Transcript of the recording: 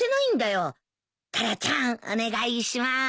タラちゃんお願いします。